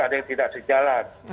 ada yang tidak sejalan